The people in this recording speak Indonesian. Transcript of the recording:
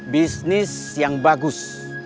bisnis yang bagus